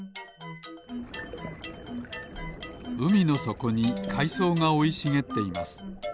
うみのそこにかいそうがおいしげっています。